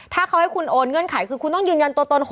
ถ้าเขาให้คุณโอนเงื่อนไขคือคุณต้องยืนยันตัวตน๖๐